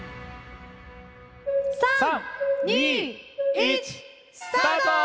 ３・２・１スタート！